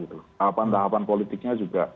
tahapan tahapan politiknya juga